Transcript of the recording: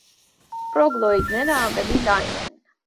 Պրոգլոիդները ավելի լայն են։